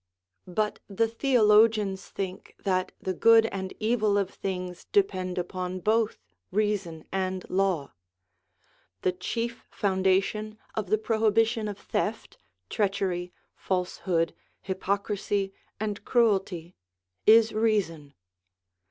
But the theologians think that the good and evil of things depend upon both reason and law. The chief 304 MISCELLANEOUS SUBJECTS 305 foundation of the prohibition of theft, treachery, false hood, hypocrisy, and cruelty, is reason.